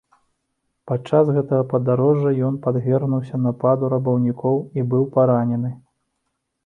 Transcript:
Падчас гэтага падарожжа ён падвергнуўся нападу рабаўнікоў і быў паранены.